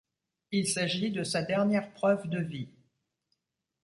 Il s'agit de sa dernière preuve de vie.